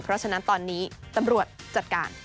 เพราะฉะนั้นตอนนี้ตำรวจจัดการ